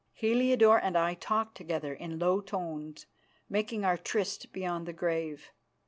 Heliodore and I talked together in low tones, making our tryst beyond the grave.